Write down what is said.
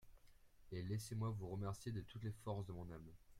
Et laissez-moi vous remercier de toutes les forces de mon âme…